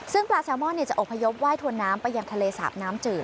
ซึ่งปลาแซลมอนจะอบพยพไหว้ถวนน้ำไปยังทะเลสาบน้ำจืด